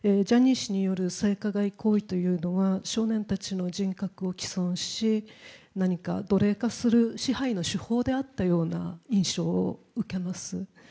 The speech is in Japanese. ジャニー氏による性加害行為というのは少年たちの人格を毀損し、何か奴隷化する支配の手法であったかのような印象を受けます。